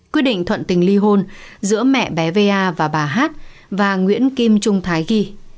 quyết định thuận tình ly hôn giữa mẹ bé va và bà hát và nguyễn kim trung thái ghi